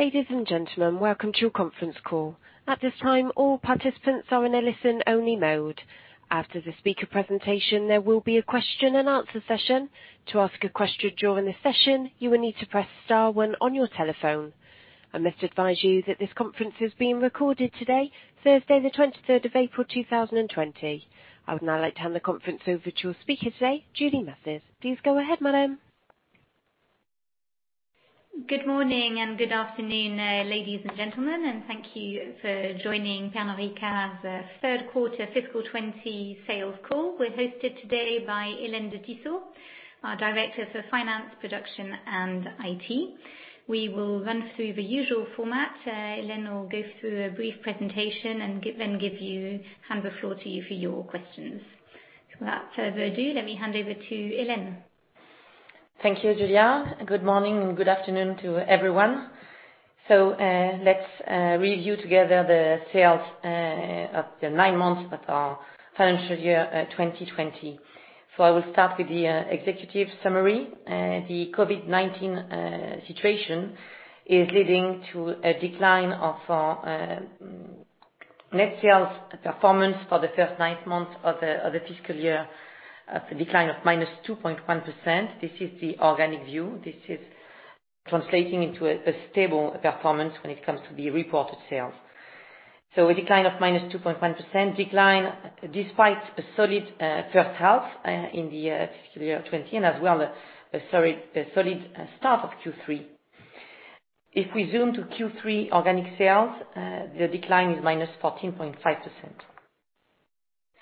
Ladies and gentlemen, welcome to your conference call. At this time, all participants are in a listen only mode. After the speaker presentation, there will be a question and answer session. To ask a question during the session, you will need to press star one on your telephone. I must advise you that this conference is being recorded today, Thursday, the 23rd of April, 2020. I would now like to hand the conference over to your speaker today, Julie Massies. Please go ahead, madam. Good morning and good afternoon, ladies and gentlemen, and thank you for joining Pernod Ricard's third quarter fiscal 2020 sales call. We are hosted today by Hélène de Tissot, our Director for Finance, Production, and IT. We will run through the usual format. Hélène will go through a brief presentation and then hand the floor to you for your questions. Without further ado, let me hand over to Hélène. Thank you, Julia. Good morning and good afternoon to everyone. Let's review together the sales of the nine months of our financial year 2020. I will start with the executive summary. The COVID-19 situation is leading to a decline of our net sales performance for the first nine months of the fiscal year, a decline of -2.1%. This is the organic view. This is translating into a stable performance when it comes to the reported sales. A decline of -2.1%, decline despite a solid first half in the fiscal year 2020, and as well, a solid start of Q3. If we zoom to Q3 organic sales, the decline is -14.5%.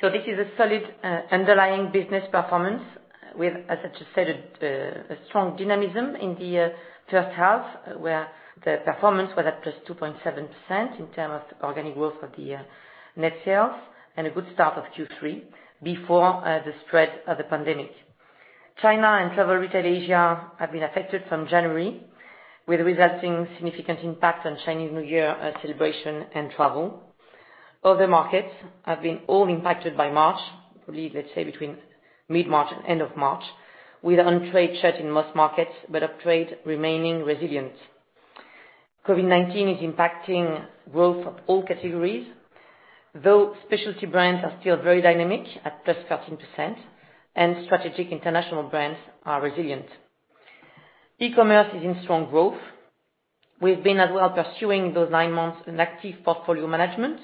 This is a solid underlying business performance with, as I just said, a strong dynamism in the first half, where the performance was at +2.7% in terms of organic growth of the net sales, and a good start of Q3 before the spread of the pandemic. China and Travel Retail Asia have been affected from January, with resulting significant impact on Chinese New Year celebration and travel. Other markets have been all impacted by March, probably, let's say between mid-March and end of March, with on-trade shut in most markets, but off-trade remaining resilient. COVID-19 is impacting growth of all categories, though specialty brands are still very dynamic at +13%, and strategic international brands are resilient. E-commerce is in strong growth. We've been as well pursuing those nine months an active portfolio management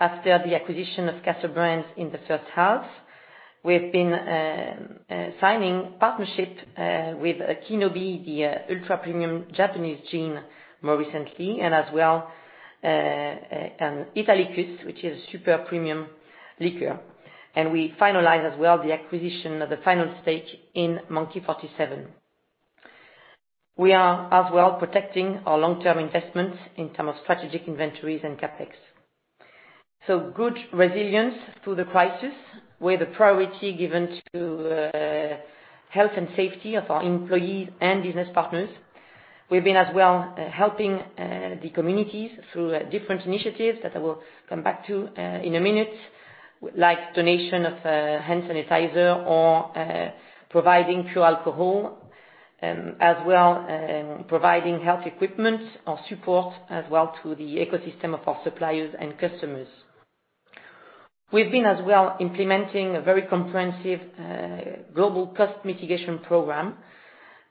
after the acquisition of Castle Brands in the first half. We've been signing partnership with KI NO BI, the ultra-premium Japanese gin more recently, and as well, Italicus, which is a super premium liqueur, and we finalize as well the acquisition of the final stake in Monkey 47. We are as well protecting our long-term investments in term of strategic inventories and CapEx. Good resilience through the crisis, with a priority given to health and safety of our employees and business partners. We've been as well helping the communities through different initiatives that I will come back to in a minute, like donation of hand sanitizer or providing pure alcohol, as well providing health equipment or support as well to the ecosystem of our suppliers and customers. We've been as well implementing a very comprehensive global cost mitigation program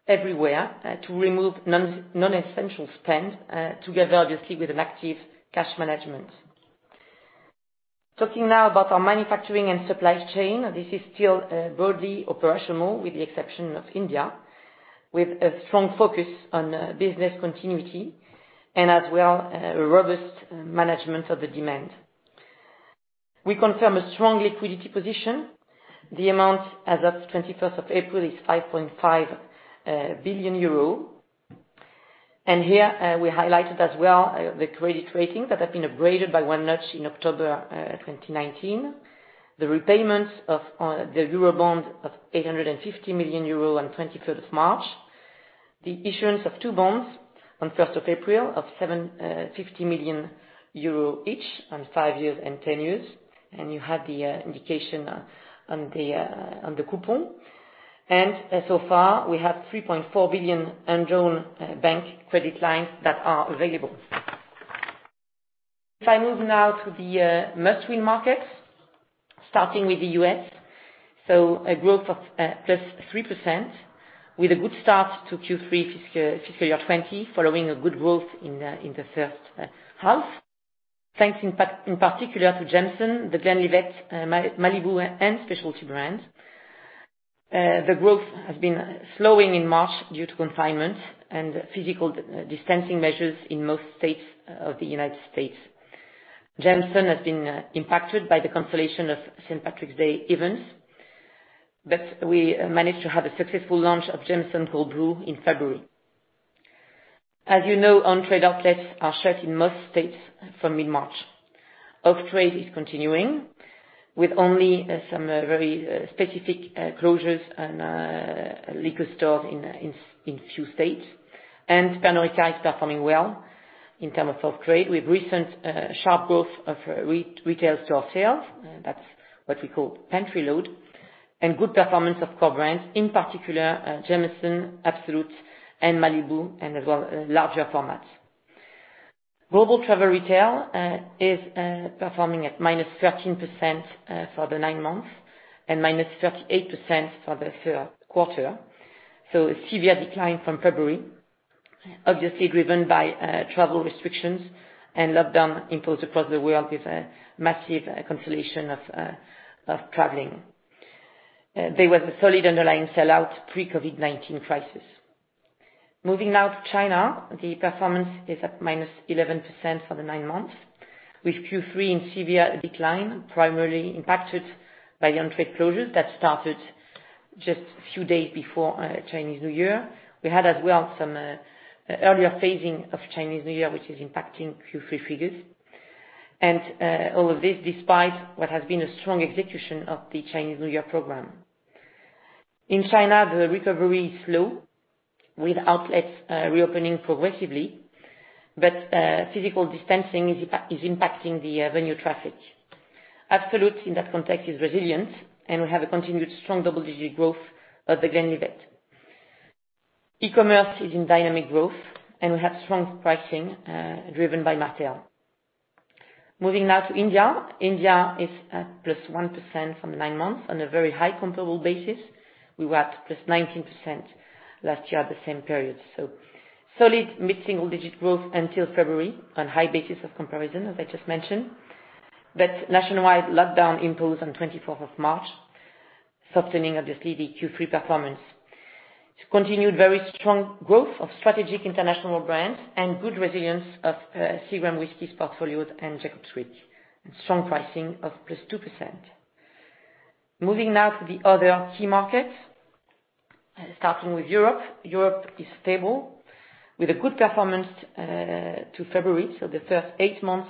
everywhere to remove non-essential spend, together, obviously, with an active cash management. Talking now about our manufacturing and supply chain. This is still broadly operational, with the exception of India, with a strong focus on business continuity and as well a robust management of the demand. We confirm a strong liquidity position. The amount as at 21st of April is 5.5 billion euro. Here, we highlighted as well the credit rating that had been upgraded by one notch in October 2019. The repayments of the euro bond of 850 million euro on 23rd of March. The issuance of two bonds on 1st of April of 750 million euro each on five years and 10 years, you have the indication on the coupon. So far, we have 3.4 billion undrawn bank credit lines that are available. If I move now to the most win markets, starting with the U.S. A growth of + 3% with a good start to Q3 fiscal year 2020, following a good growth in the first half. Thanks in particular to Jameson, The Glenlivet, Malibu, and Specialty brands. The growth has been slowing in March due to confinement and physical distancing measures in most states of the U.S. Jameson has been impacted by the cancellation of St. Patrick's Day events, but we managed to have a successful launch of Jameson Cold Brew in February. As you know, on-trade outlets are shut in most states from mid-March. Off-trade is continuing with only some very specific closures and liquor stores in few states. Pernod Ricard is performing well in term of off-trade with recent sharp growth of retail store sales. That's what we call pantry loading. Good performance of core brands, in particular, Jameson, Absolut, and Malibu, and as well, larger formats. Global travel retail is performing at -13% for the nine months and -38% for the third quarter. A severe decline from February, obviously driven by travel restrictions and lockdown imposed across the world with a massive cancellation of traveling. There was a solid underlying sell-out pre-COVID-19 crisis. Moving now to China. The performance is at -11% for the nine months, with Q3 in severe decline, primarily impacted by the on-trade closures that started just a few days before Chinese New Year. We had, as well, some earlier phasing of Chinese New Year, which is impacting Q3 figures. All of this despite what has been a strong execution of the Chinese New Year program. In China, the recovery is slow, with outlets reopening progressively, but physical dispensing is impacting the venue traffic. Absolut, in that context, is resilient, and we have a continued strong double-digit growth of The Glenlivet. E-commerce is in dynamic growth, and we have strong pricing driven by Martell. Moving now to India. India is at +1% from nine months on a very high comparable basis. We were at +19% last year at the same period. So solid mid-single-digit growth until February on high basis of comparison, as I just mentioned. Nationwide lockdown imposed on 24th of March, softening, obviously, the Q3 performance. Continued very strong growth of strategic international brands and good resilience of Seagram's portfolios and Jacob's Creek, and strong pricing of +2%. Moving now to the other key markets, starting with Europe. Europe is stable with a good performance to February. So the first eight months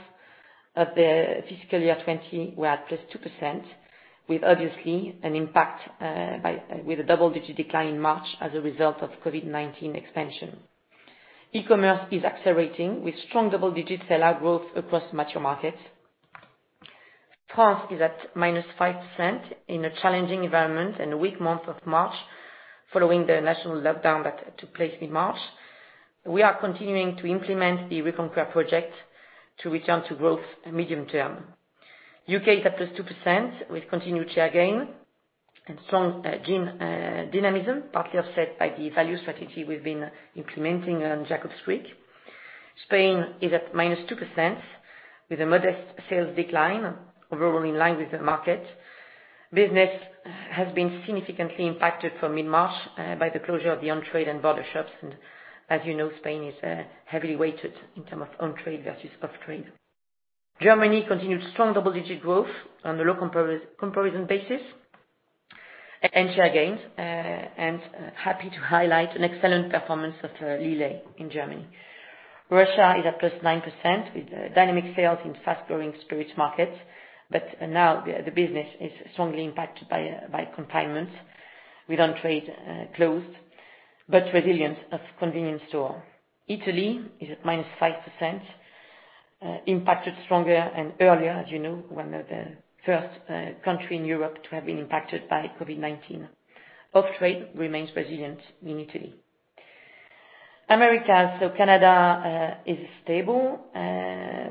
of the fiscal year 2020 were at +2%, with, obviously, an impact with a double-digit decline in March as a result of COVID-19 expansion. E-commerce is accelerating, with strong double-digit sell-out growth across mature markets. France is at -5% in a challenging environment and a weak month of March following the national lockdown that took place mid-March. We are continuing to implement the Reconquer Project to return to growth medium term. U.K. is at +2% with continued share gain and strong dynamism, partly offset by the value strategy we've been implementing on Jacob's Creek. Spain is at -2% with a modest sales decline, overall in line with the market. Business has been significantly impacted from mid-March by the closure of the on-trade and border shops. As you know, Spain is heavily weighted in terms of on-trade versus off-trade. Germany continued strong double-digit growth on a low comparison basis and share gains, happy to highlight an excellent performance of Lillet in Germany. Russia is at +9% with dynamic sales in fast-growing spirits markets, but now the business is strongly impacted by confinement with on-trade closed, but resilience of convenience store. Italy is at -5%, impacted stronger and earlier, as you know, one of the first country in Europe to have been impacted by COVID-19. Off-trade remains resilient in Italy. America. Canada is stable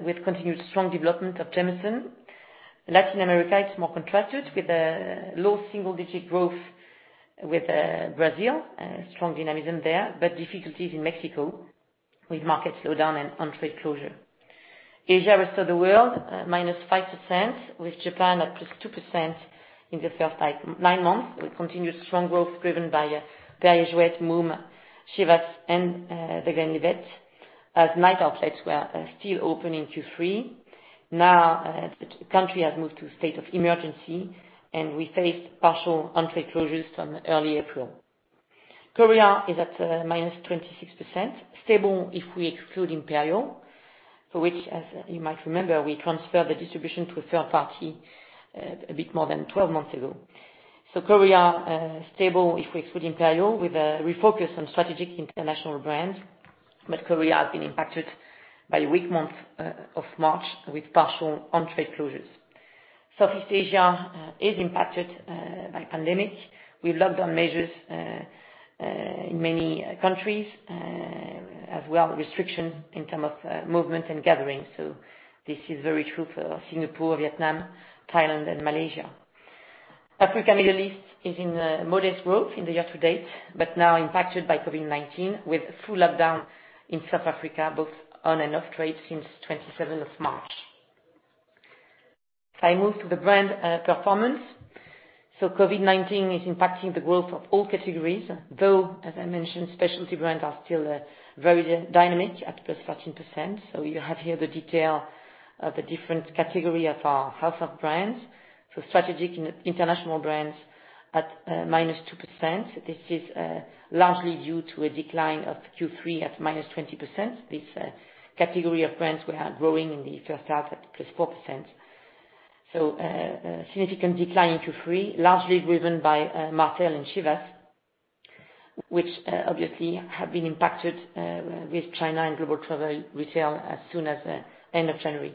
with continued strong development of Jameson. Latin America is more contrasted with a low single-digit growth with Brazil, strong dynamism there, but difficulties in Mexico with market slowdown and on-trade closure. Asia Rest of the World, -5%, with Japan at +2% in the first nine months, with continued strong growth driven by Beefeater, Mumm, Chivas, and The Glenlivet, as night outlets were still open in Q3. Now, the country has moved to a state of emergency, and we faced partial on-trade closures from early April. Korea is at -26%, stable if we exclude Imperial, for which, as you might remember, we transferred the distribution to a third party a bit more than 12 months ago. Korea, stable if we exclude Imperial, with a refocus on strategic international brands. Korea has been impacted by a weak month of March with partial on-trade closures. Southeast Asia is impacted by pandemic, with lockdown measures in many countries, as well as restrictions in terms of movement and gathering. This is very true for Singapore, Vietnam, Thailand, and Malaysia. Africa Middle East is in modest growth in the year to date, but now impacted by COVID-19, with full lockdown in South Africa, both on and off-trade since 27th of March. If I move to the brand performance. COVID-19 is impacting the growth of all categories, though, as I mentioned, specialty brands are still very dynamic at +13%. You have here the detail of the different category of our house of brands. Strategic international brands at -2%. This is largely due to a decline of Q3 at -20%. This category of brands were growing in the first half at +4%. A significant decline in Q3, largely driven by Martell and Chivas, which obviously have been impacted with China and global Travel Retail as soon as end of January.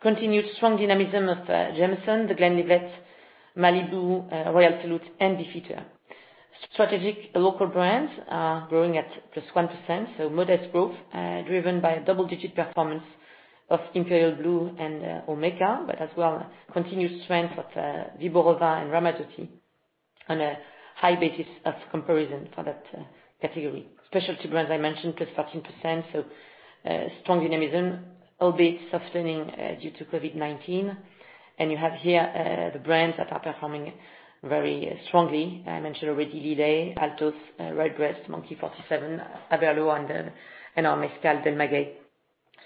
Continued strong dynamism of Jameson, The Glenlivet, Malibu, Royal Salute, and Beefeater. Strategic local brands are growing at just 1%, so modest growth, driven by a double-digit performance of Imperial Blue and Olmeca, but as well, continued strength of Wyborowa and Ramazzotti on a high basis of comparison for that category. Specialty brands, I mentioned, +13%, strong dynamism, albeit softening due to COVID-19. You have here the brands that are performing very strongly. I mentioned already Lillet, Altos, Redbreast, Monkey 47, Averna, and Mezcal Amarás, Del Maguey.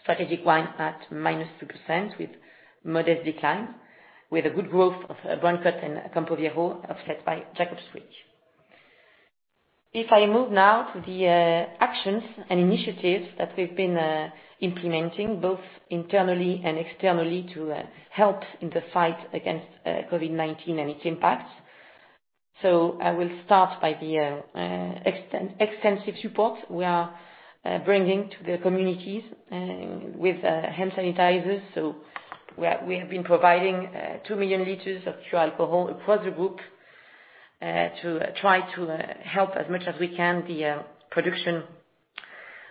Strategic wine at -2% with modest decline, with a good growth of Brancott and Campo Viejo, offset by Jacob's Creek. If I move now to the actions and initiatives that we've been implementing both internally and externally to help in the fight against COVID-19 and its impacts. I will start by the extensive support we are bringing to the communities with hand sanitizers. We have been providing 2 million liters of pure alcohol across the group, to try to help as much as we can the production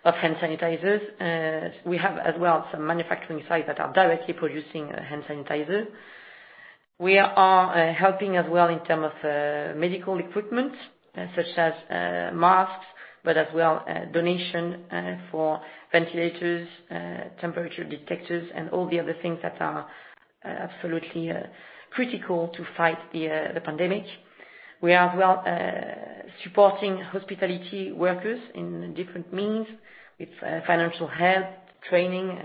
of hand sanitizers. We have, as well, some manufacturing sites that are directly producing hand sanitizer. We are helping as well in term of medical equipment such as masks, as well, donation for ventilators, temperature detectors, and all the other things that are absolutely critical to fight the pandemic. We are as well supporting hospitality workers in different means with financial help, training,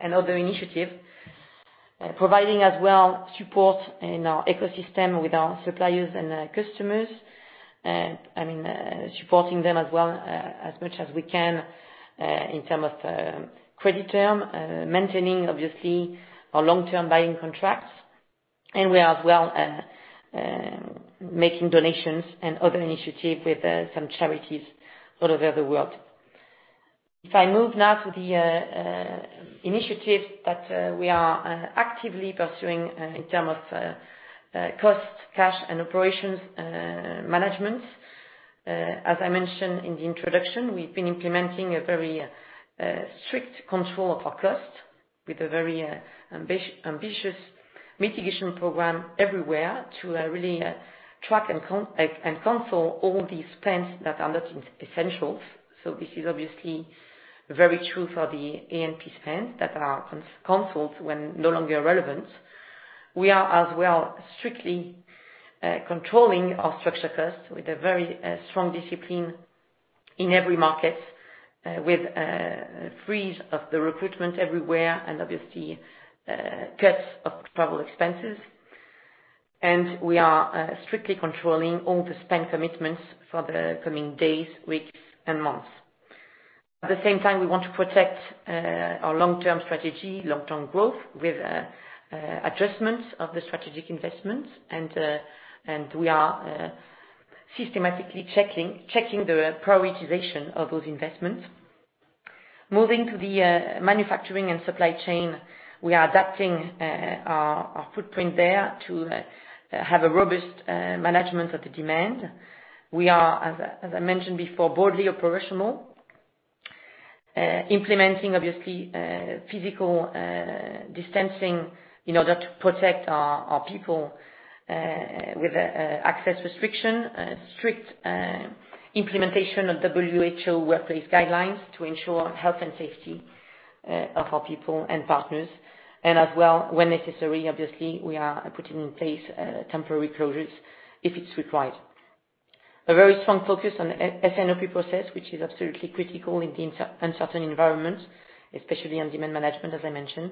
and other initiative. Providing as well support in our ecosystem with our suppliers and customers. I mean, supporting them as well as much as we can in term of credit term, maintaining obviously our long-term buying contracts. We are as well making donations and other initiative with some charities all over the world. If I move now to the initiatives that we are actively pursuing in term of cost, cash, and operations management. As I mentioned in the introduction, we've been implementing a very strict control of our cost with a very ambitious mitigation program everywhere to really track and cancel all these spends that are not essentials. This is obviously very true for the A&P spends that are canceled when no longer relevant. We are as well strictly controlling our structure costs with a very strong discipline in every market, with a freeze of the recruitment everywhere and obviously cuts of travel expenses. We are strictly controlling all the spend commitments for the coming days, weeks, and months. At the same time, we want to protect our long-term strategy, long-term growth with adjustments of the strategic investments and we are systematically checking the prioritization of those investments. Moving to the manufacturing and supply chain, we are adapting our footprint there to have a robust management of the demand. We are, as I mentioned before, broadly operational. Implementing, obviously, physical distancing in order to protect our people with access restriction, strict implementation of WHO workplace guidelines to ensure health and safety of our people and partners. As well, when necessary, obviously, we are putting in place temporary closures if it's required. A very strong focus on S&OP process, which is absolutely critical in the uncertain environment, especially on demand management, as I mentioned.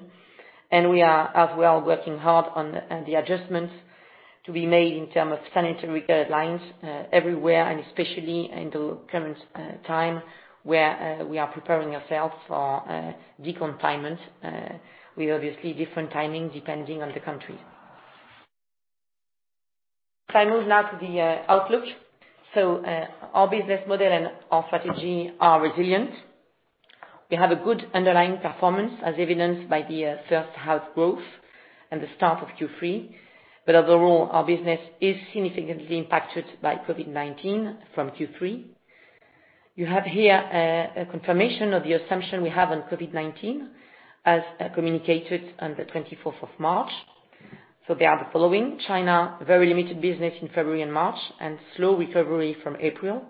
We are as well working hard on the adjustments to be made in terms of sanitary guidelines everywhere and especially in the current time where we are preparing ourselves for de-confinement, with obviously different timing depending on the country. If I move now to the outlook. Our business model and our strategy are resilient. We have a good underlying performance as evidenced by the first half growth and the start of Q3. Overall, our business is significantly impacted by COVID-19 from Q3. You have here a confirmation of the assumption we have on COVID-19, as communicated on the 24th of March. They are the following. China, very limited business in February and March and slow recovery from April.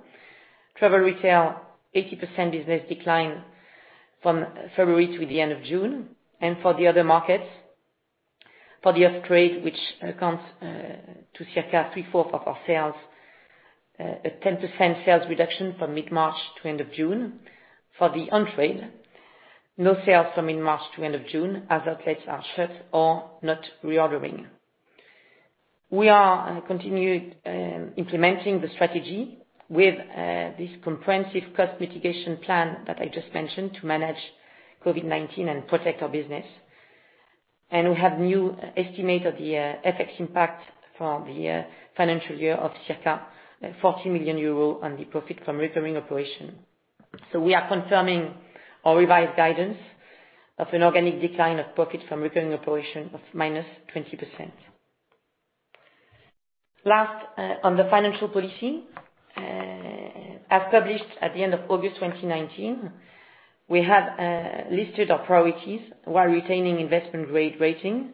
Travel Retail, 80% business decline from February to the end of June. For the other markets, for the off-trade, which accounts to circa 3/4 of our sales, a 10% sales reduction from mid-March to end of June. For the on-trade, no sales from mid-March to end of June, as outlets are shut or not reordering. We are continued implementing the strategy with this comprehensive cost mitigation plan that I just mentioned to manage COVID-19 and protect our business. We have new estimate of the FX impact for the financial year of circa 40 million euros on the profit from recurring operation. We are confirming our revised guidance of an organic decline of profit from recurring operation of -20%. Last, on the financial policy, as published at the end of August 2019, we have listed our priorities while retaining investment-grade rating.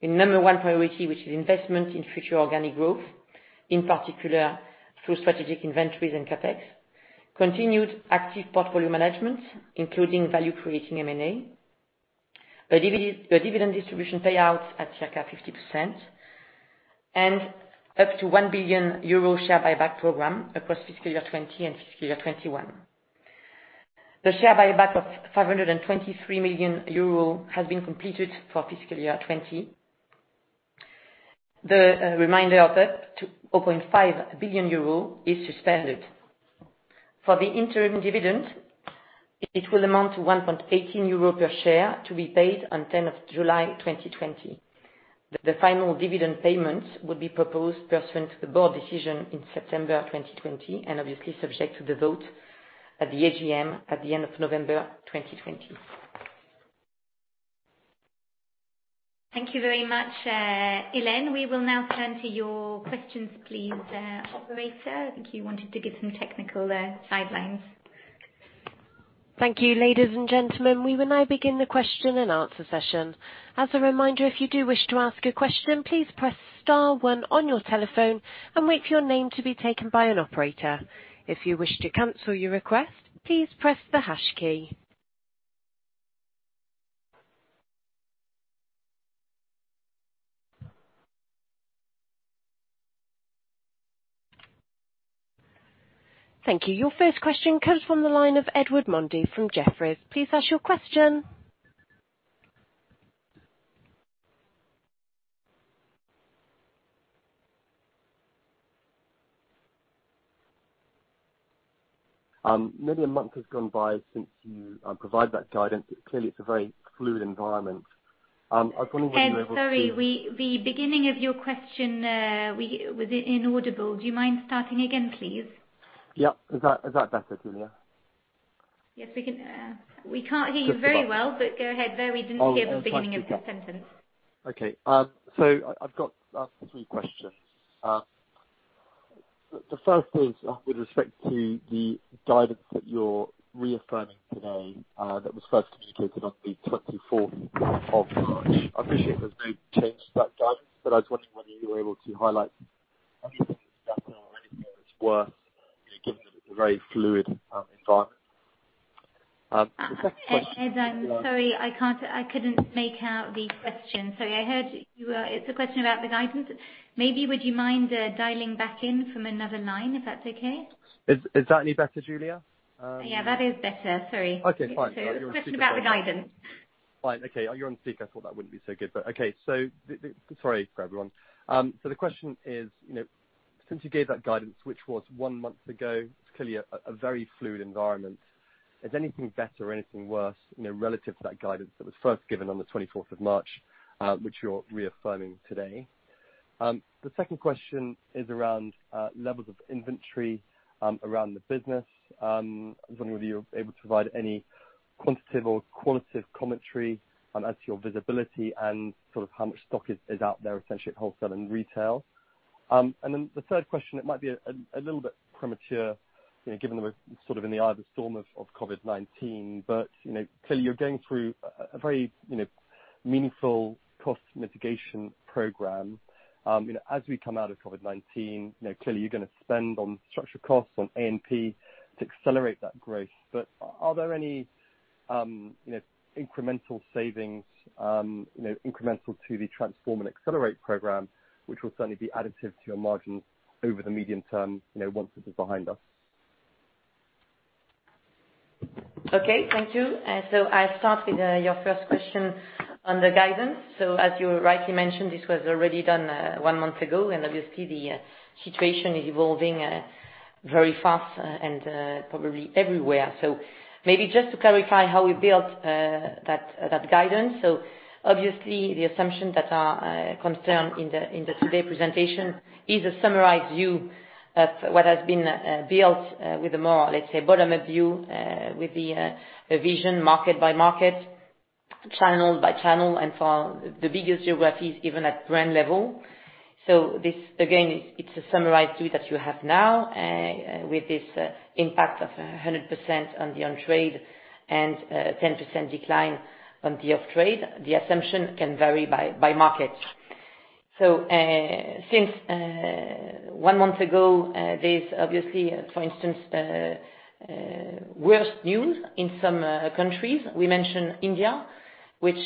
The number one priority, which is investment in future organic growth, in particular through strategic inventories and CapEx, continued active portfolio management, including value-creating M&A, a dividend distribution payout at circa 50%, and up to 1 billion euro share buyback program across fiscal year 2020 and fiscal year 2021. The share buyback of 523 million euro has been completed for fiscal year 2020. The remainder of that, to 2.5 billion euro, is suspended. For the interim dividend, it will amount to 1.18 euro per share to be paid on 10th of July 2020. The final dividend payments will be proposed pursuant to the Board decision in September 2020, obviously subject to the vote at the AGM at the end of November 2020. Thank you very much, Hélène. We will now turn to your questions, please. Operator, I think you wanted to give some technical sidelines. Thank you, ladies and gentlemen. We will now begin the question and answer session. As a reminder, if you do wish to ask a question, please press star one on your telephone and wait for your name to be taken by an operator. If you wish to cancel your request, please press the hash key. Thank you. Your first question comes from the line of Edward Mundy from Jefferies. Please ask your question. Maybe a month has gone by since you provided that guidance, but clearly it's a very fluid environment. Ed, sorry, the beginning of your question was inaudible. Do you mind starting again, please? Yeah. Is that better, Julia? Yes. We can't hear you very well. Good. Go ahead. We didn't hear the beginning of the sentence. Okay. I've got three questions. The first is with respect to the guidance that you're reaffirming today, that was first communicated on the 24th of March. I appreciate there's no change to that guidance, I was wondering whether you were able to highlight anything that's better or anything that's worse, given that it's a very fluid environment. The second question. Ed, I'm sorry. I couldn't make out the question. Sorry. I heard you. It's a question about the guidance. Maybe would you mind dialing back in from another line, if that's okay? Is that any better, Julia? Yeah, that is better. Sorry. Okay, fine. The question about the guidance. Fine. Okay. You're on speaker. I thought that wouldn't be so good, but okay. Sorry for everyone. The question is, since you gave that guidance, which was one month ago, it's clearly a very fluid environment. Is anything better or anything worse, relative to that guidance that was first given on the 24th of March, which you're reaffirming today? The second question is around levels of inventory around the business. I was wondering whether you were able to provide any quantitative or qualitative commentary as to your visibility and how much stock is out there, essentially at wholesale and retail. The third question, it might be a little bit premature, given that we're sort of in the eye of the storm of COVID-19, but clearly you're going through a very meaningful cost mitigation program. As we come out of COVID-19, clearly you're going to spend on structural costs, on A&P, to accelerate that growth. Are there any incremental savings, incremental to the Transform & Accelerate program, which will certainly be additive to your margins over the medium term, once this is behind us? Okay. Thank you. I'll start with your first question on the guidance. As you rightly mentioned, this was already done one month ago, and obviously the situation is evolving very fast and probably everywhere. Maybe just to clarify how we built that guidance. Obviously, the assumptions that are concerned in the today presentation is a summarized view of what has been built with a more, let's say, bottom up view with the vision market by market, channel by channel, and for the bigger geographies, even at brand level. This, again, it's a summarized view that you have now with this impact of 100% on the on-trade and 10% decline on the off-trade. The assumption can vary by market. Since one month ago, there's obviously, for instance, worse news in some countries. We mentioned India, which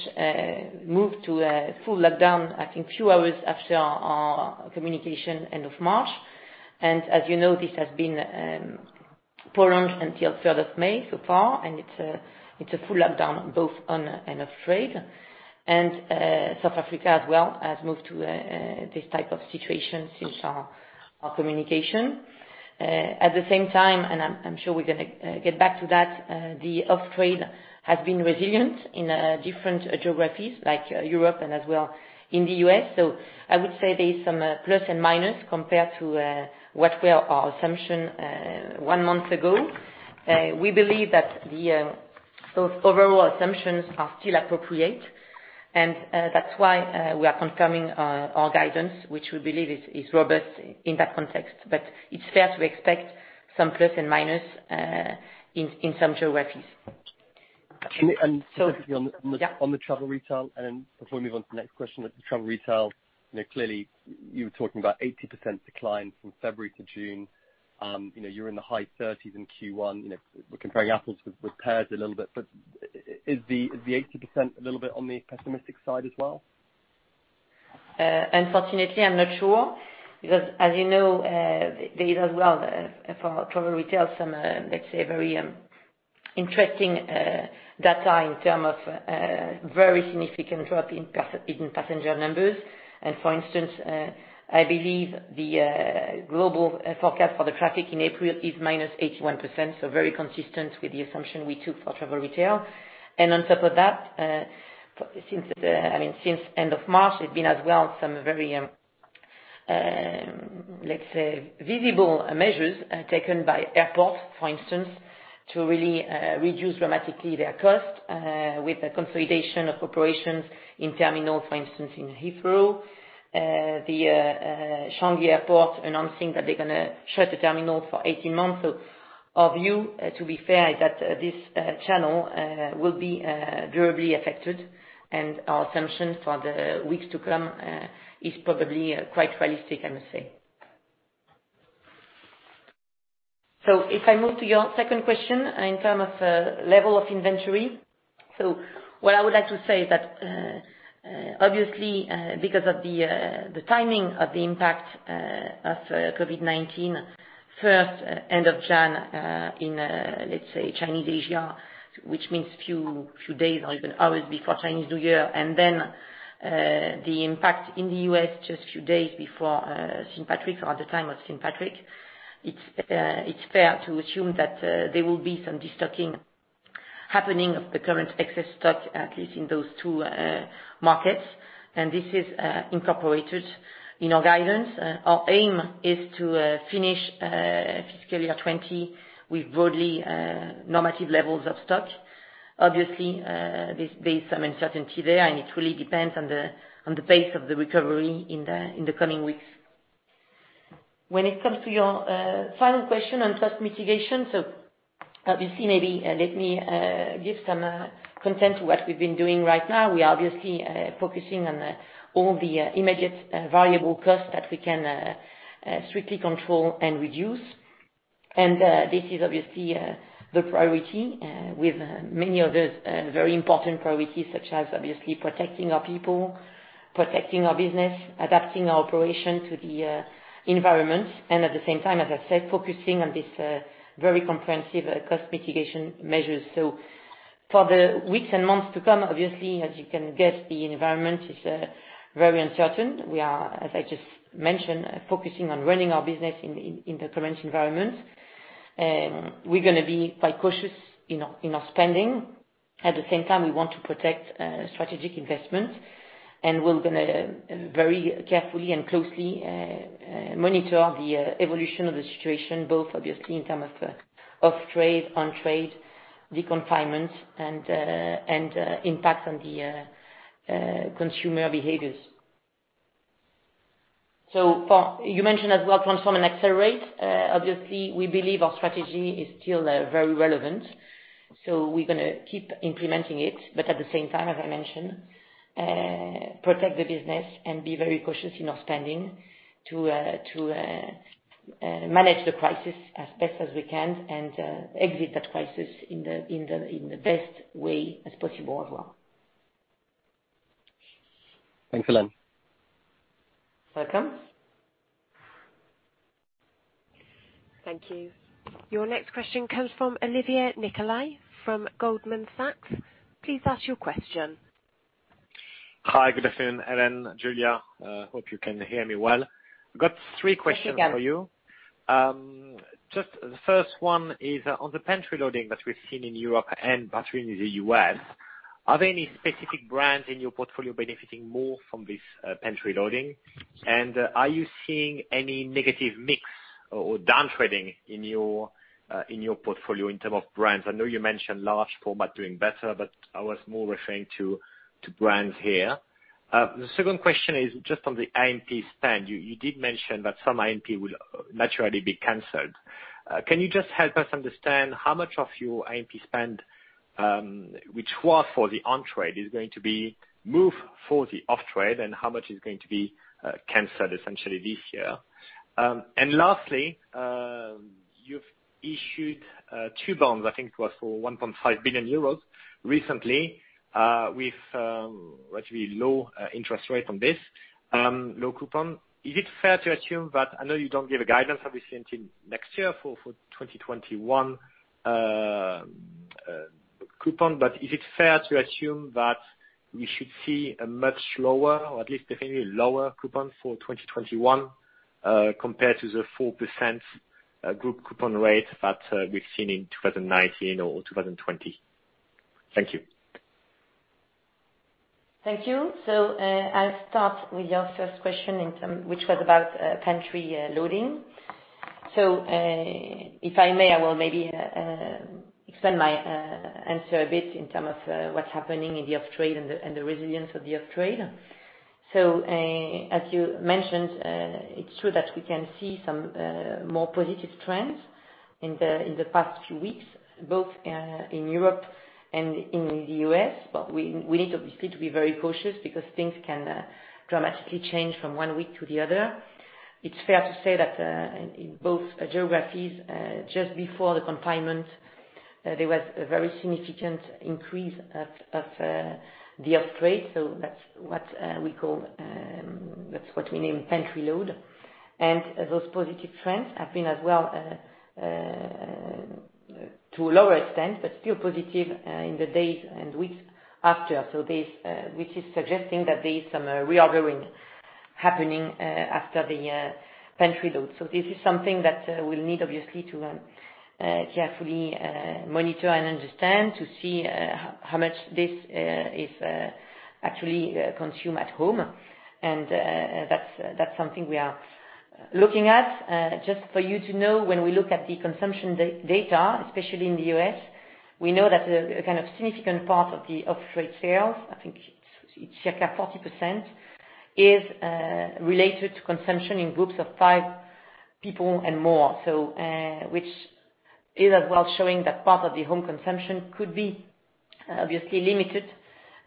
moved to a full lockdown I think a few hours after our communication end of March. As you know, this has been prolonged until 3rd of May so far, and it's a full lockdown both on and off-trade. South Africa as well has moved to this type of situation since our communication. At the same time, and I'm sure we're going to get back to that, the off-trade has been resilient in different geographies, like Europe and as well in the U.S. I would say there is some plus and minus compared to what were our assumption one month ago. We believe that the overall assumptions are still appropriate, and that's why we are confirming our guidance, which we believe is robust in that context. It's fair to expect some plus and minus in some geographies. And specifically on the- Yeah. On the travel retail, before we move on to the next question, the travel retail, clearly you were talking about 80% decline from February to June. You're in the high 30s in Q1. We're comparing apples with pears a little bit, is the 80% a little bit on the pessimistic side as well? Unfortunately, I'm not sure. As you know, there is as well for travel retail, some, let's say, very interesting data in terms of very significant drop in passenger numbers. For instance, I believe the global forecast for the traffic in April is -81%, so very consistent with the assumption we took for travel retail. On top of that, since end of March, there's been as well some very, let's say, visible measures taken by airports, for instance, to really reduce dramatically their cost, with a consolidation of operations in terminal, for instance, in Heathrow. The Changi Airport announcing that they're going to shut the terminal for 18 months. Our view, to be fair, is that this channel will be durably affected and our assumption for the weeks to come is probably quite realistic, I must say. If I move to your second question in term of level of inventory. What I would like to say is that, obviously, because of the timing of the impact of COVID-19, first end of January, in, let's say, Chinese Asia, which means few days or even hours before Chinese New Year, and then the impact in the U.S. just few days before St. Patrick or at the time of St. Patrick. It's fair to assume that there will be some de-stocking happening of the current excess stock, at least in those two markets. This is incorporated in our guidance. Our aim is to finish fiscal year 2020 with broadly normative levels of stock. Obviously, there's some uncertainty there, and it really depends on the pace of the recovery in the coming weeks. When it comes to your final question on cost mitigation. Obviously, maybe let me give some context to what we've been doing right now. We are obviously focusing on all the immediate variable costs that we can strictly control and reduce. This is obviously the priority with many other very important priorities, such as obviously protecting our people, protecting our business, adapting our operation to the environment, and at the same time, as I said, focusing on this very comprehensive cost mitigation measures. For the weeks and months to come, obviously, as you can guess, the environment is very uncertain. We are, as I just mentioned, focusing on running our business in the current environment. We're going to be quite cautious in our spending. At the same time, we want to protect strategic investment, and we're going to very carefully and closely monitor the evolution of the situation, both obviously in terms of off-trade, on-trade, the confinements and impacts on the consumer behaviors. You mentioned as well Transform & Accelerate. Obviously, we believe our strategy is still very relevant, we're going to keep implementing it. At the same time, as I mentioned, protect the business and be very cautious in our spending to manage the crisis as best as we can and exit that crisis in the best way as possible as well. Thanks, Hélène. Welcome. Thank you. Your next question comes from Olivier Nicolai from Goldman Sachs. Please ask your question. Hi. Good afternoon, Hélène, Julia. Hope you can hear me well. Got three questions for you. Yes, we can. Just the first one is on the pantry loading that we've seen in Europe and particularly the U.S. Are there any specific brands in your portfolio benefiting more from this pantry loading? Are you seeing any negative mix or downtrading in your portfolio in term of brands? I know you mentioned large format doing better, but I was more referring to brands here. The second question is just on the A&P spend. You did mention that some A&P will naturally be canceled. Can you just help us understand how much of your A&P spend, which was for the on-trade, is going to be moved for the off-trade and how much is going to be canceled essentially this year? Lastly, you've issued two bonds, I think it was for 1.5 billion euros recently, with relatively low interest rate on this, low coupon. Is it fair to assume that, I know you don't give a guidance, obviously, until next year for 2021 coupon, but is it fair to assume that we should see a much lower, or at least definitely lower coupon for 2021, compared to the 4% group coupon rate that we've seen in 2019 or 2020? Thank you. Thank you. I'll start with your first question, which was about pantry loading. If I may, I will maybe expand my answer a bit in terms of what's happening in the off-trade and the resilience of the off-trade. As you mentioned, it's true that we can see some more positive trends in the past few weeks, both in Europe and in the U.S., but we need, obviously, to be very cautious because things can dramatically change from one week to the other. It's fair to say that, in both geographies, just before the confinement, there was a very significant increase of the off-trade. That's what we name pantry loading. Those positive trends have been as well, to a lower extent, but still positive, in the days and weeks after. Which is suggesting that there is some reordering happening after the pantry loading. This is something that we'll need, obviously, to carefully monitor and understand to see how much this is actually consumed at home. That's something we are looking at. Just for you to know, when we look at the consumption data, especially in the U.S., we know that a kind of significant part of the off-trade sales, I think it's circa 40%, is related to consumption in groups of five people and more. Which is as well showing that part of the home consumption could be obviously limited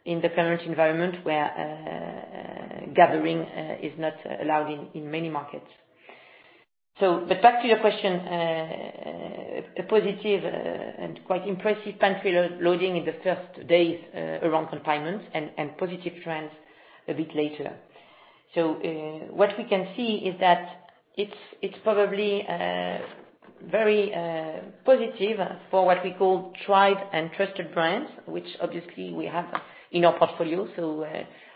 in the current environment where gathering is not allowed in many markets. Back to your question, a positive and quite impressive pantry loading in the first days around confinement and positive trends a bit later. What we can see is that it's probably very positive for what we call tried and trusted brands, which obviously we have in our portfolio,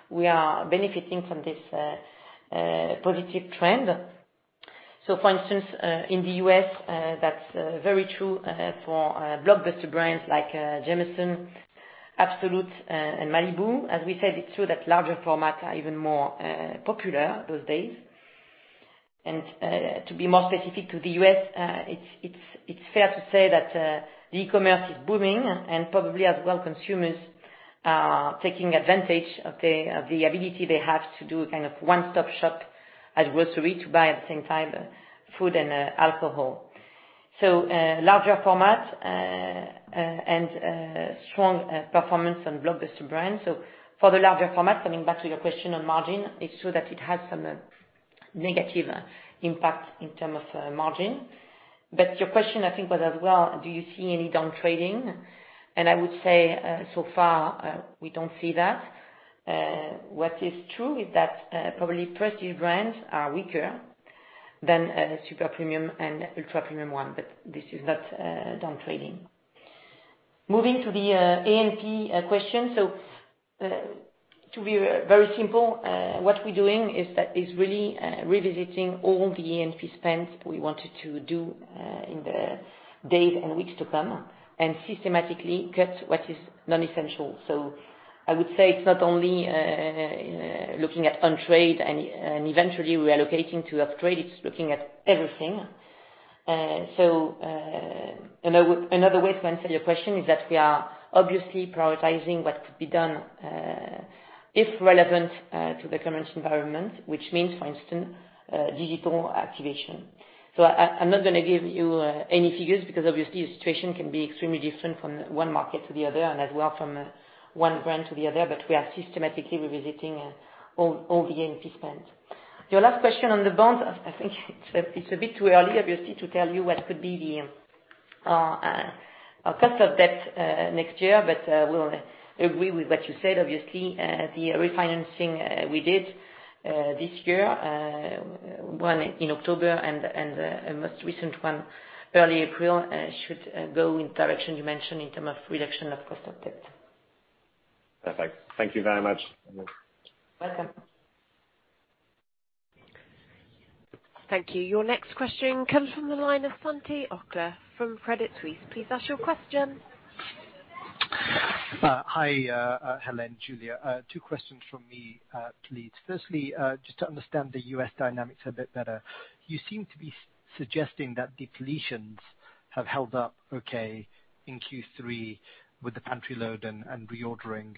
we are benefiting from this positive trend. For instance, in the U.S., that's very true for blockbuster brands like Jameson, Absolut, and Malibu. As we said, it's true that larger formats are even more popular those days. To be more specific to the U.S., it's fair to say that e-commerce is booming and probably as well, consumers are taking advantage of the ability they have to do a kind of one-stop shop at grocery to buy at the same time, food and alcohol. Larger format and strong performance on blockbuster brands. For the larger format, coming back to your question on margin, it's true that it has some negative impact in term of margin. Your question, I think was as well, do you see any down trading? I would say so far, we don't see that. What is true is that probably prestige brands are weaker than super premium and ultra premium one, this is not down trading. Moving to the A&P question. To be very simple, what we're doing is really revisiting all the A&P spends we wanted to do in the days and weeks to come and systematically cut what is non-essential. I would say it's not only looking at on-trade and eventually reallocating to off-trade, it's looking at everything. Another way to answer your question is that we are obviously prioritizing what could be done, if relevant to the current environment, which means, for instance, digital activation. I'm not gonna give you any figures because obviously the situation can be extremely different from one market to the other and as well from one brand to the other, but we are systematically revisiting all the A&P spends. Your last question on the bonds, I think it's a bit too early, obviously, to tell you what could be our cost of debt next year. We'll agree with what you said, obviously, the refinancing we did this year, one in October and the most recent one early April, should go in direction you mentioned in terms of reduction of cost of debt. Perfect. Thank you very much. Welcome. Thank you. Your next question comes from the line of Sanjeet Aujla from Credit Suisse. Please ask your question. Hi, Hélène, Julia. Two questions from me, please. Firstly, just to understand the U.S. dynamics a bit better. You seem to be suggesting that depletions have held up okay in Q3 with the pantry loading and reordering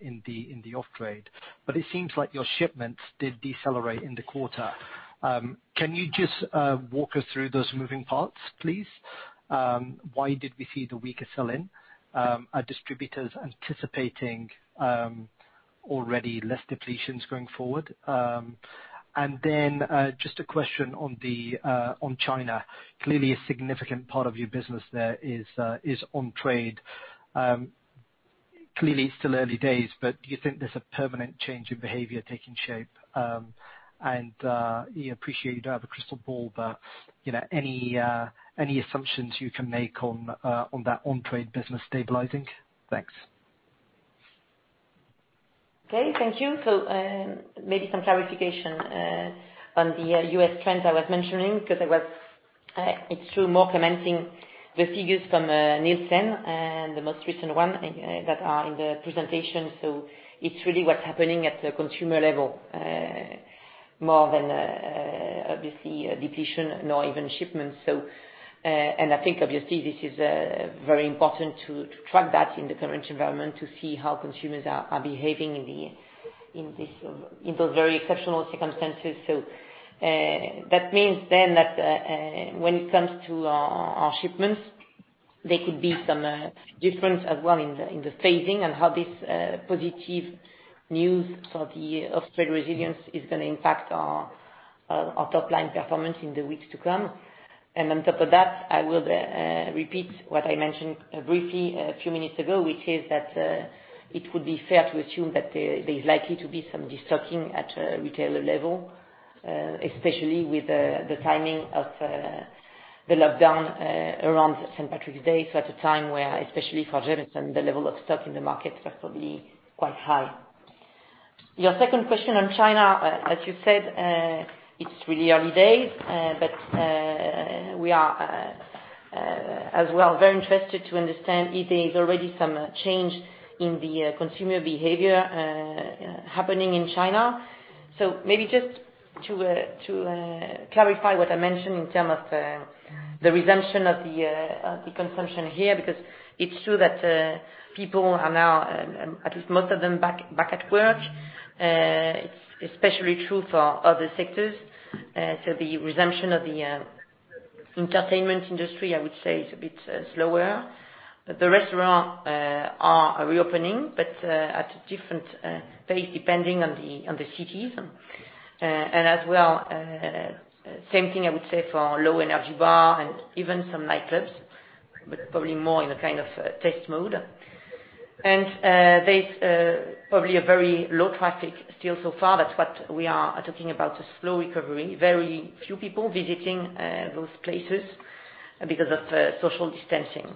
in the off-trade, but it seems like your shipments did decelerate in the quarter. Can you just walk us through those moving parts, please? Why did we see the weaker sell-in? Are distributors anticipating already less depletions going forward? Just a question on China. Clearly a significant part of your business there is on-trade. It's still early days, but do you think there's a permanent change in behavior taking shape? We appreciate you don't have a crystal ball, but any assumptions you can make on that on-trade business stabilizing? Thanks. Okay, thank you. Maybe some clarification on the U.S. trends I was mentioning because it's true, more commenting the figures from Nielsen and the most recent one that are in the presentation. It's really what's happening at the consumer level, more than obviously depletion nor even shipments. I think obviously this is very important to track that in the current environment to see how consumers are behaving in those very exceptional circumstances. That means then that when it comes to our shipments, there could be some difference as well in the phasing and how this positive news for the off-trade resilience is going to impact our top line performance in the weeks to come. On top of that, I will repeat what I mentioned briefly a few minutes ago, which is that it would be fair to assume that there's likely to be some destocking at a retailer level, especially with the timing of the lockdown around St. Patrick's Day. At a time where, especially for Jameson, the level of stock in the market was probably quite high. Your second question on China, as you said, it's really early days. We are, as well, very interested to understand if there is already some change in the consumer behavior happening in China. Maybe just to clarify what I mentioned in terms of the resumption of the consumption here, because it's true that people are now, at least most of them, back at work. It's especially true for other sectors. The resumption of the entertainment industry, I would say, is a bit slower. The restaurant are reopening, but at a different pace depending on the cities. As well, same thing I would say for low energy bar and even some nightclubs, but probably more in a kind of test mode. There's probably a very low traffic still so far. That's what we are talking about, a slow recovery, very few people visiting those places because of social distancing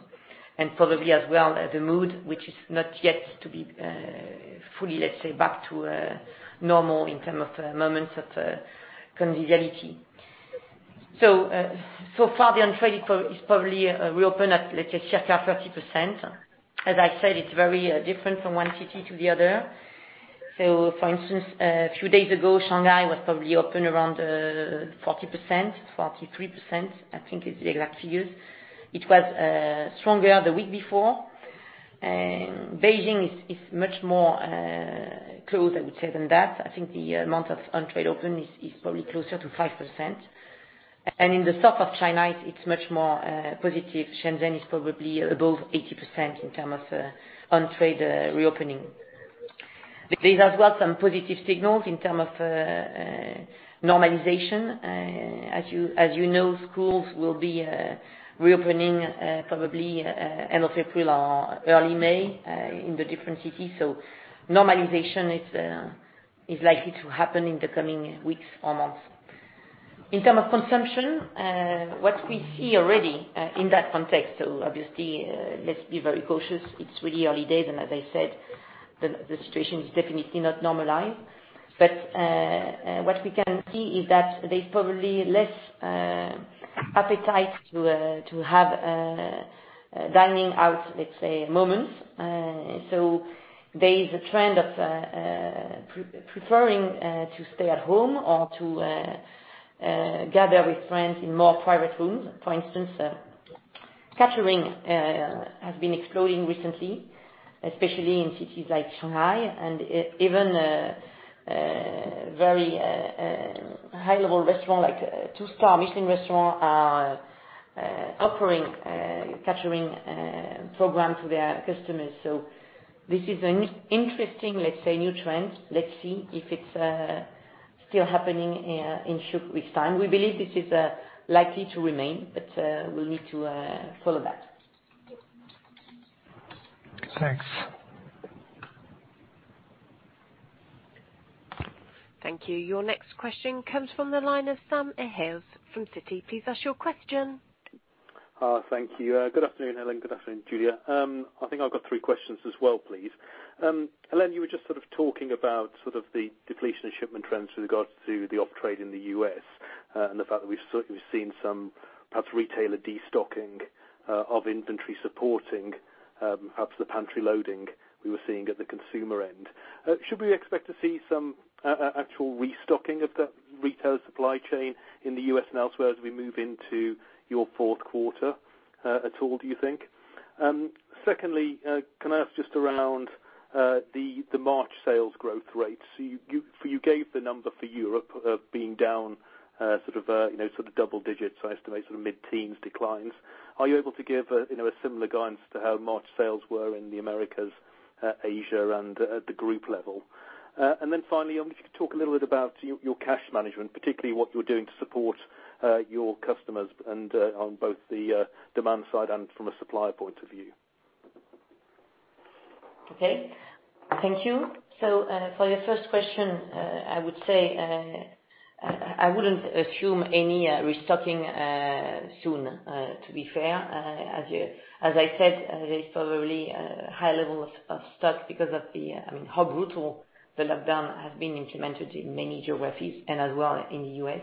and probably as well, the mood, which is not yet to be fully, let's say, back to normal in term of moments of conviviality. Far the on-trade is probably reopen at, let's say, circa 30%. As I said, it's very different from one city to the other. For instance, a few days ago, Shanghai was probably open around 40%, 43% I think is the exact figures. It was stronger the week before. Beijing is much more closed, I would say, than that. I think the amount of on-trade open is probably closer to 5%. In the south of China, it's much more positive. Shenzhen is probably above 80% in terms of on-trade reopening. There is as well some positive signals in terms of normalization. As you know, schools will be reopening probably end of April or early May in the different cities. Normalization is likely to happen in the coming weeks or months. In terms of consumption, what we see already in that context, obviously, let's be very cautious, it's really early days and as I said, the situation is definitely not normalized. What we can see is that there's probably less appetite to have dining out, let's say moments. There is a trend of preferring to stay at home or to gather with friends in more private rooms. For instance, catering has been exploding recently, especially in cities like Shanghai and even very high level restaurant, like two star Michelin restaurant, are offering catering program to their customers. This is an interesting new trend. Let's see if it's still happening with time. We believe this is likely to remain, but we'll need to follow that. Thanks. Thank you. Your next question comes from the line of Simon Hales from Citi. Please ask your question. Thank you. Good afternoon, Hélène. Good afternoon, Julia. I think I've got three questions as well, please. Hélène, you were just sort of talking about sort of the depletion and shipment trends with regards to the off-trade in the U.S. and the fact that we've certainly seen some perhaps retailer destocking of inventory supporting perhaps the pantry loading we were seeing at the consumer end. Should we expect to see some actual restocking of that retail supply chain in the U.S. and elsewhere as we move into your fourth quarter at all, do you think? Secondly, can I ask just around the March sales growth rates? You gave the number for Europe being down sort of double digits, so I estimate sort of mid-teens declines. Are you able to give a similar guidance to how March sales were in the Americas, Asia and at the group level? Finally, I want you to talk a little bit about your cash management, particularly what you're doing to support your customers, and on both the demand side and from a supply point of view. Okay. Thank you. For your first question, I would say, I wouldn't assume any restocking soon, to be fair. As I said, there's probably high levels of stock because of how brutal the lockdown has been implemented in many geographies and as well in the U.S.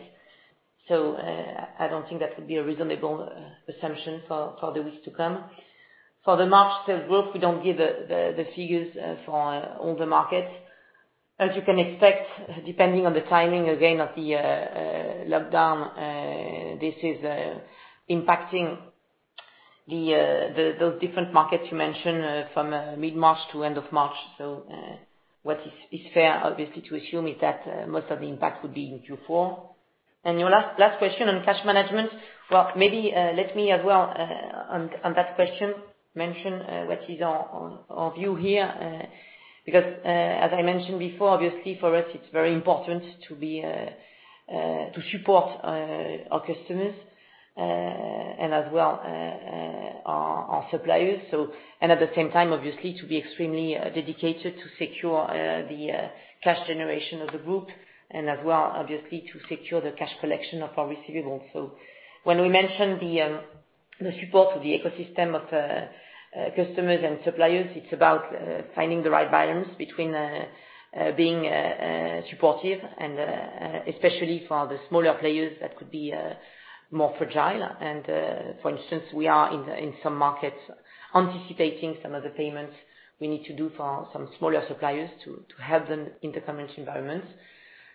I don't think that would be a reasonable assumption for the weeks to come. For the March sales growth, we don't give the figures for all the markets. As you can expect, depending on the timing, again, of the lockdown, this is impacting those different markets you mentioned from mid-March to end of March. What is fair, obviously, to assume is that most of the impact would be in Q4. Your last question on cash management. Well, maybe let me as well, on that question, mention what is our view here, because as I mentioned before, obviously for us it's very important to support our customers, and as well our suppliers. At the same time, obviously, to be extremely dedicated to secure the cash generation of the group and as well obviously to secure the cash collection of our receivables. When we mention the support of the ecosystem of customers and suppliers, it's about finding the right balance between being supportive and especially for the smaller players, that could be more fragile. For instance, we are in some markets anticipating some of the payments we need to do for some smaller suppliers to help them in the current environment.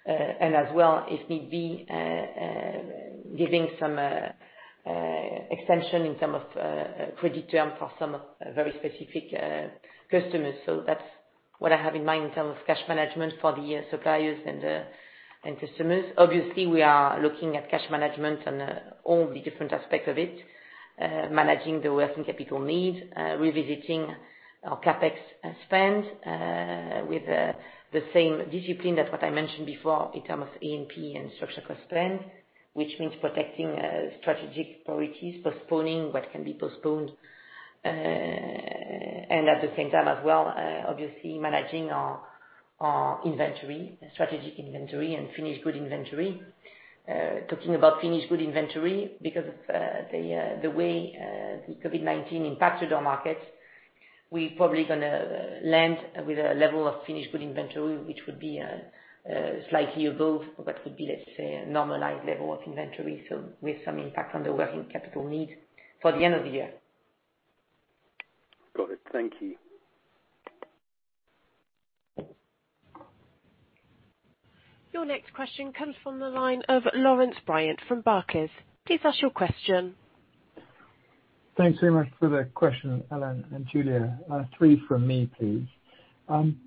As well if need be, giving some extension in term of credit term for some very specific customers. That's what I have in mind in terms of cash management for the suppliers and customers. Obviously, we are looking at cash management and all the different aspects of it, managing the working capital needs, revisiting our CapEx spend with the same discipline as what I mentioned before in term of A&P and structural cost spend, which means protecting strategic priorities, postponing what can be postponed. At the same time as well, obviously managing our strategic inventory and finished good inventory. Talking about finished good inventory because of the way the COVID-19 impacted our markets, we're probably going to land with a level of finished good inventory, which would be slightly above what would be, let's say, a normalized level of inventory. With some impact on the working capital needs for the end of the year. Got it. Thank you. Your next question comes from the line of Laurence Whyatt from Barclays. Please ask your question. Thanks very much for the question, Hélène and Julia. Three from me, please.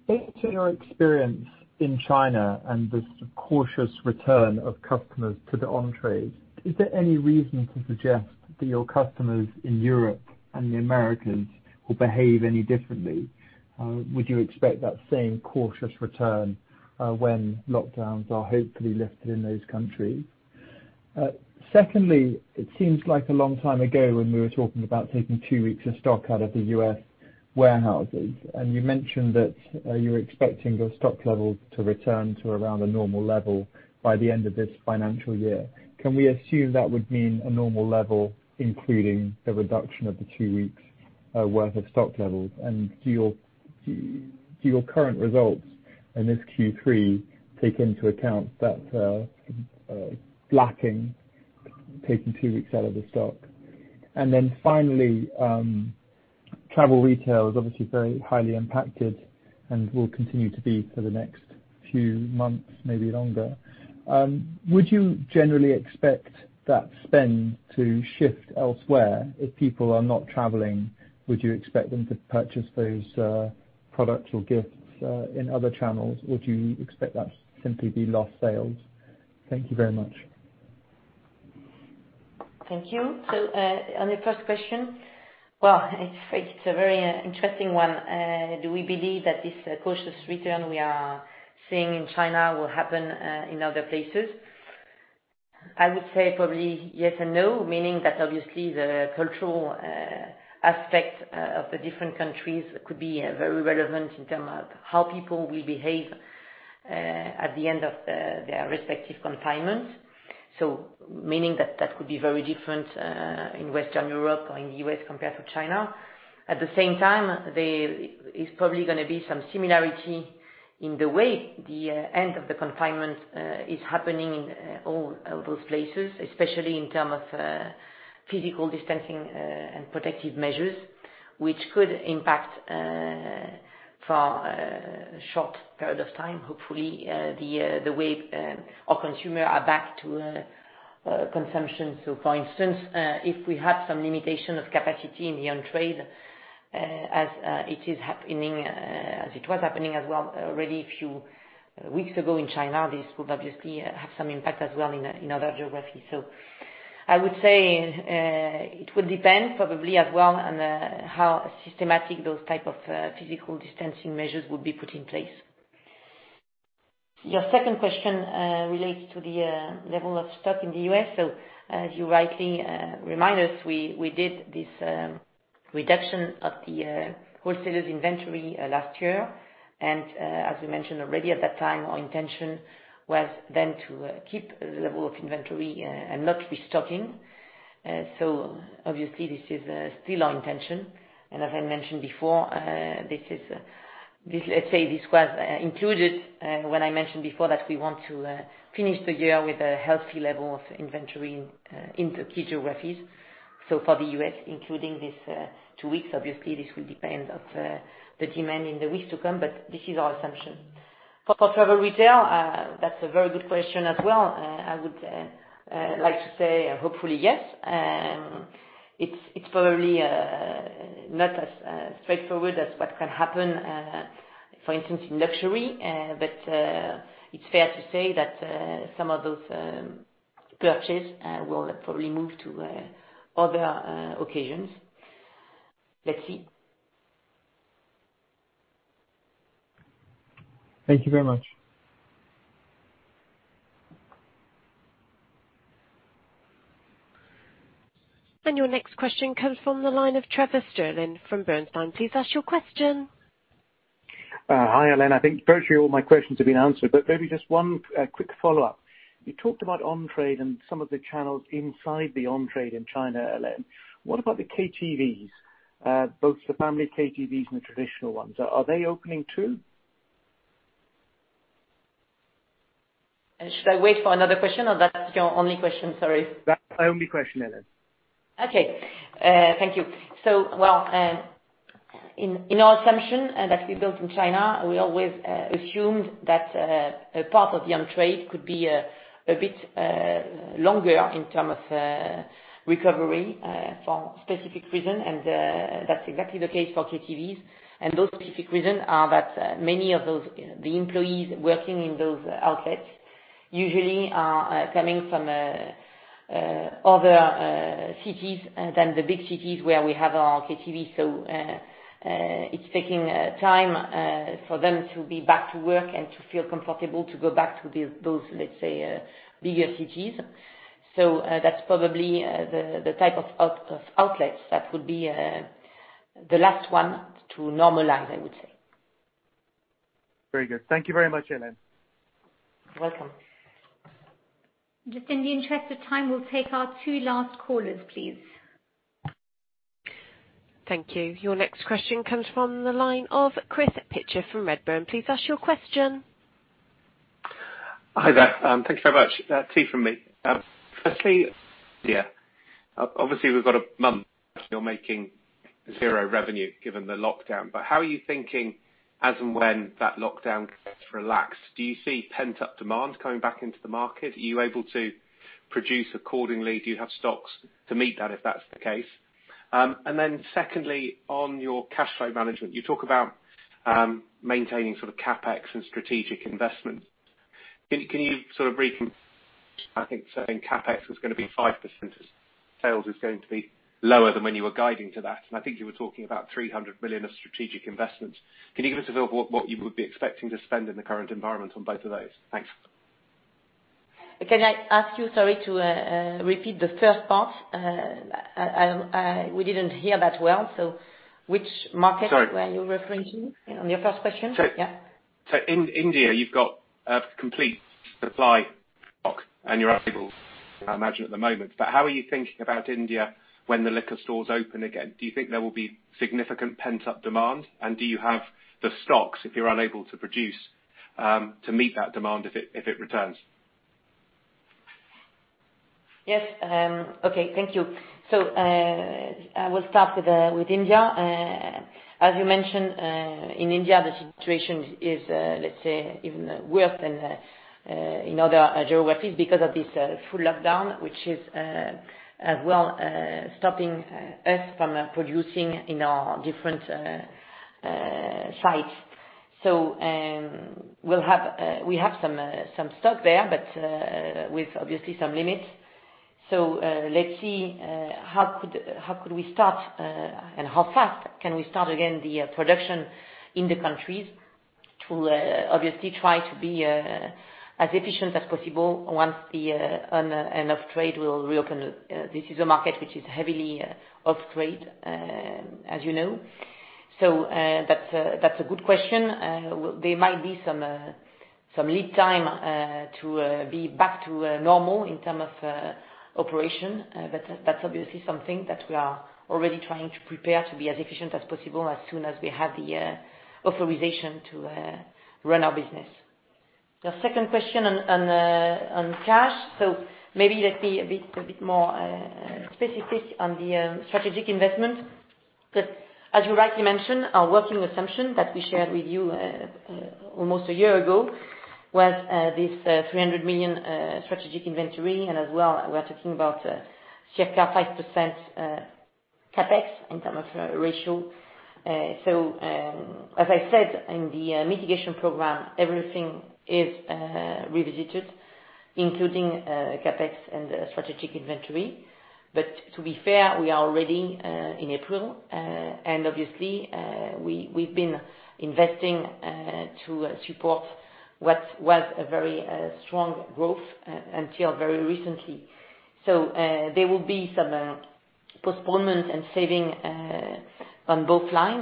Based on your experience in China and this cautious return of customers to the on-trade, is there any reason to suggest that your customers in Europe and the Americas will behave any differently? Would you expect that same cautious return, when lockdowns are hopefully lifted in those countries? Secondly, it seems like a long time ago when we were talking about taking two weeks of stock out of the U.S. warehouses, and you mentioned that you were expecting your stock levels to return to around a normal level by the end of this financial year. Can we assume that would mean a normal level, including the reduction of the two weeks worth of stock levels? Do your current results in this Q3 take into account that lacking taking two weeks out of the stock? Finally, travel retail is obviously very highly impacted and will continue to be for the next few months, maybe longer. Would you generally expect that spend to shift elsewhere if people are not traveling, would you expect them to purchase those products or gifts in other channels? Would you expect that to simply be lost sales? Thank you very much. Thank you. On your first question, well, it's a very interesting one. Do we believe that this cautious return we are seeing in China will happen in other places? I would say probably yes and no, meaning that obviously the cultural aspect of the different countries could be very relevant in terms of how people will behave at the end of their respective confinements. Meaning that that could be very different in Western Europe or in the U.S. compared to China. At the same time, there is probably going to be some similarity in the way the end of the confinement is happening in all those places, especially in terms of physical distancing and protective measures, which could impact for a short period of time, hopefully, the way our consumer are back to consumption. For instance, if we have some limitation of capacity in the on-trade as it was happening as well already a few weeks ago in China, this could obviously have some impact as well in other geographies. I would say it would depend probably as well on how systematic those type of physical distancing measures would be put in place. Your second question relates to the level of stock in the U.S. As you rightly remind us, we did this reduction of the wholesaler's inventory last year. As we mentioned already at that time, our intention was then to keep the level of inventory and not restocking. Obviously this is still our intention. As I mentioned before, let's say this was included when I mentioned before that we want to finish the year with a healthy level of inventory in the key geographies. For the U.S., including these two weeks, obviously this will depend on the demand in the weeks to come, this is our assumption. For travel retail, that's a very good question as well. I would like to say hopefully yes. It's probably not as straightforward as what can happen, for instance, in luxury. It's fair to say that some of those purchases will probably move to other occasions. Let's see. Thank you very much. Your next question comes from the line of Trevor Stirling from Bernstein. Please ask your question. Hi, Hélène. I think virtually all my questions have been answered, but maybe just one quick follow-up. You talked about on-trade and some of the channels inside the on-trade in China, Hélène. What about the KTVs? Both the family KTVs and the traditional ones, are they opening too? Should I wait for another question or that's your only question? Sorry. That's my only question, Hélène. Thank you. Well, in our assumption that we built in China, we always assumed that a part of the on-trade could be a bit longer in terms of recovery for specific reasons. That's exactly the case for KTVs. Those specific reasons are that many of the employees working in those outlets usually are coming from other cities than the big cities where we have our KTV. It's taking time for them to be back to work and to feel comfortable to go back to those, let's say, bigger cities. That's probably the type of outlets that would be the last one to normalize, I would say. Very good. Thank you very much, Hélène. You're welcome. Just in the interest of time, we'll take our two last callers, please. Thank you. Your next question comes from the line of Chris Pitcher from Redburn. Please ask your question. Hi there. Thank you very much. It's three from me. Firstly, obviously we've got a month you're making zero revenue given the lockdown. How are you thinking as and when that lockdown gets relaxed? Do you see pent-up demand coming back into the market? Are you able to produce accordingly? Do you have stocks to meet that if that's the case? Secondly, on your cash flow management, you talk about maintaining CapEx and strategic investments. Can you recon, I think saying CapEx was going to be 5% as sales is going to be lower than when you were guiding to that. I think you were talking about 300 million of strategic investments. Can you give us a feel for what you would be expecting to spend in the current environment on both of those? Thanks. Can I ask you, sorry, to repeat the first part? We didn't hear that well. Which market? Sorry. were you referencing on your first question? Yeah. In India, you've got a complete supply stock, and you're unable, I imagine, at the moment. How are you thinking about India when the liquor stores open again? Do you think there will be significant pent-up demand? Do you have the stocks, if you're unable to produce, to meet that demand if it returns? Yes. Okay. Thank you. I will start with India. As you mentioned, in India, the situation is, let's say, even worse than in other geographies because of this full lockdown, which is as well stopping us from producing in our different sites. We have some stock there, but with obviously some limits. Let's see how could we start, and how fast can we start again the production in the countries to obviously try to be as efficient as possible once the on and off trade will reopen. This is a market which is heavily off-trade, as you know. That's a good question. There might be some lead time to be back to normal in term of operation. That's obviously something that we are already trying to prepare to be as efficient as possible as soon as we have the authorization to run our business. Your second question on cash. Maybe let me be a bit more specific on the strategic investment. As you rightly mentioned, our working assumption that we shared with you almost a year ago was this 300 million strategic inventory. As well, we're talking about circa 5% CapEx in terms of ratio. As I said, in the mitigation program, everything is revisited, including CapEx and strategic inventory. To be fair, we are already in April, and obviously we've been investing to support what was a very strong growth until very recently. There will be some postponement and saving on both line,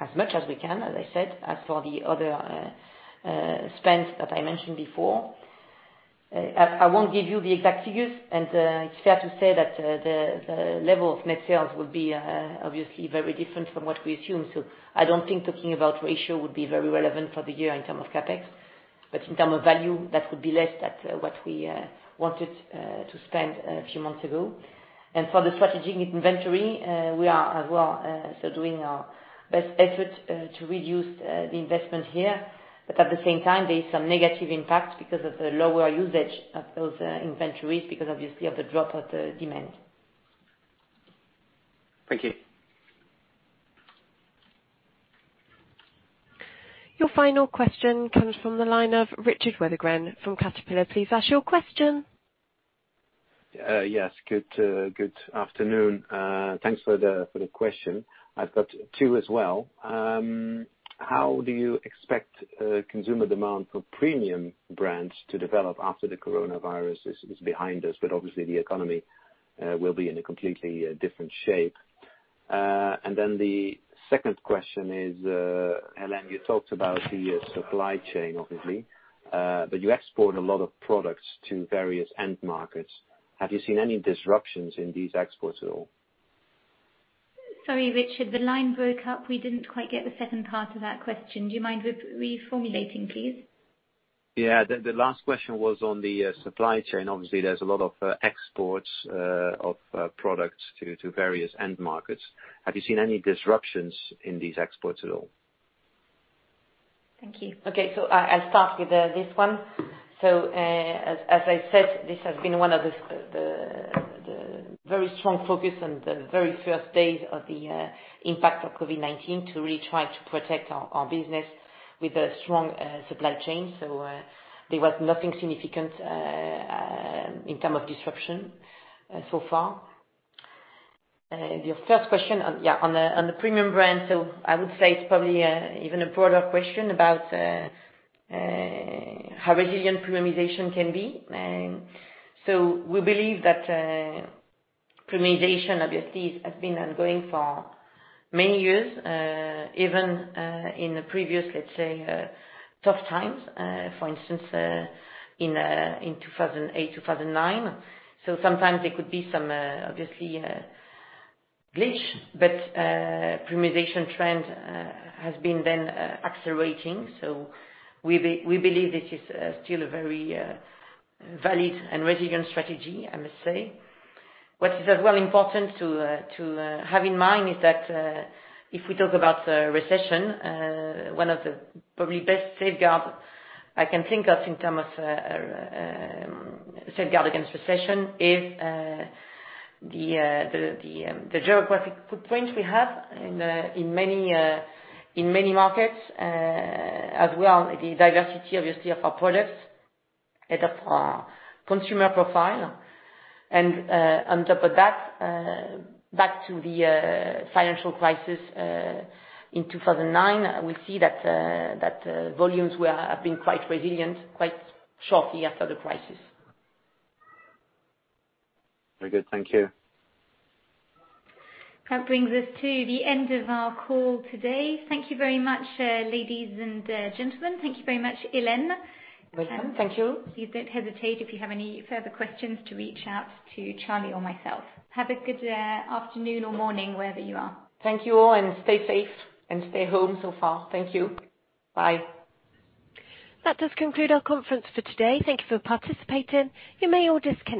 as much as we can, as I said, as for the other spends that I mentioned before. I won't give you the exact figures, and it's fair to say that the level of net sales will be obviously very different from what we assume. I don't think talking about ratio would be very relevant for the year in terms of CapEx, but in term of value, that would be less that what we wanted to spend a few months ago. For the strategic inventory, we are as well still doing our best effort to reduce the investment here. At the same time, there is some negative impact because of the lower usage of those inventories because obviously of the drop of the demand. Thank you. Your final question comes from the line of Richard Withagen from Kepler Cheuvreux. Please ask your question. Yes. Good afternoon. Thanks for the question. I've got two as well. How do you expect consumer demand for premium brands to develop after the coronavirus is behind us, but obviously the economy will be in a completely different shape. The second question is, Hélène, you talked about the supply chain obviously, but you export a lot of products to various end markets. Have you seen any disruptions in these exports at all? Sorry, Richard, the line broke up. We didn't quite get the second part of that question. Do you mind reformulating, please? Yeah. The last question was on the supply chain. Obviously, there's a lot of exports of products to various end markets. Have you seen any disruptions in these exports at all? Thank you. Okay. I'll start with this one. As I said, this has been one of the very strong focus on the very first days of the impact of COVID-19 to really try to protect our business with a strong supply chain. There was nothing significant in term of disruption so far. Your first question on the premium brand, I would say it's probably even a broader question about how resilient premiumization can be. We believe that premiumization obviously has been ongoing for many years, even in the previous, let's say, tough times, for instance, in 2008, 2009. Sometimes there could be some obviously glitch, but premiumization trend has been then accelerating. We believe this is still a very valid and resilient strategy, I must say. What is as well important to have in mind is that, if we talk about recession, one of the probably best safeguard I can think of in terms of safeguard against recession is the geographic footprint we have in many markets, as well the diversity, obviously, of our products and of our consumer profile. On top of that, back to the financial crisis in 2009, we see that volumes have been quite resilient, quite shortly after the crisis. Very good. Thank you. That brings us to the end of our call today. Thank you very much, ladies and gentlemen. Thank you very much, Hélène. Welcome. Thank you. Please don't hesitate if you have any further questions to reach out to Charly or myself. Have a good afternoon or morning, wherever you are. Thank you all, and stay safe, and stay home so far. Thank you. Bye. That does conclude our conference for today. Thank you for participating. You may all disconnect.